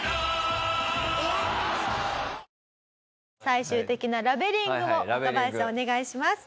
最終的なラベリングを若林さんお願いします。